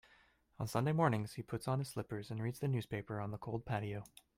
On Sunday mornings, he puts on his slippers and reads the newspaper on the cold patio.